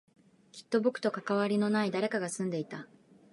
きっと僕と関わりのない誰かが住んでいた